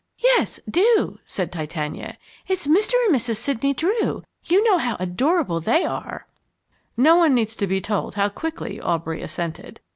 "Yes, do," said Titania. "It's Mr. and Mrs. Sidney Drew, you know how adorable they are!" No one needs to be told how quickly Aubrey assented.